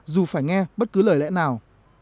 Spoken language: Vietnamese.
dù phải nghe bất cứ lời lẽ nào